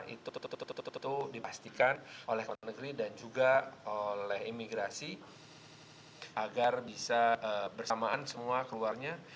itu tut tut tut tut tutu tu dipastikan oleh kota negeri dan juga oleh imigrasi agar bisa bersamaan semua keluarnya